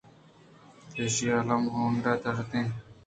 کہ ایشاں الّم ہونڈاں درکنائیناں